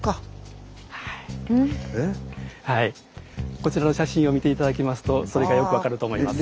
こちらの写真を見て頂きますとそれがよく分かると思います。